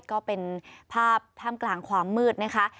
ก็เป็นภาพท่ามกลางความมืดนะคะ